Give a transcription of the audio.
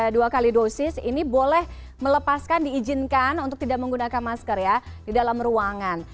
dua kali dosis ini boleh melepaskan diizinkan untuk tidak menggunakan masker ya di dalam ruangan